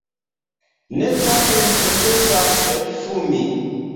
Ne, tamen necesas ekfumi.